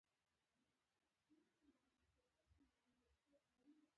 زما نیکه او ورونه د هټلر لخوا اعدام شويدي.